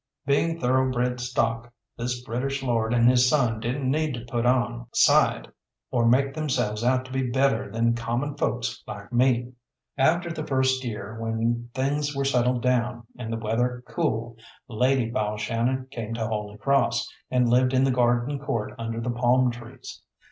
Being thoroughbred stock, this British lord and his son didn't need to put on side, or make themselves out to be better than common folks like me. After the first year, when things were settled down and the weather cool, Lady Balshannon came to Holy Cross, and lived in the garden court under the palm trees.